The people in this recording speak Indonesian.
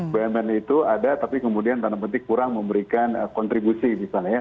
bumn itu ada tapi kemudian tanda petik kurang memberikan kontribusi misalnya ya